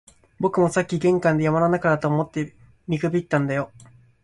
僕もさっき玄関で、山の中だと思って見くびったんだよ